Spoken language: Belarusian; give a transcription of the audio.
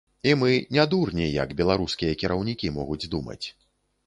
І мы не дурні, як беларускія кіраўнікі могуць думаць.